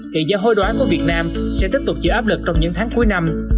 kỳ giá hối đoán của việt nam sẽ tiếp tục giữ áp lực trong những tháng cuối năm